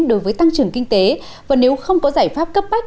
đối với tăng trưởng kinh tế và nếu không có giải pháp cấp bách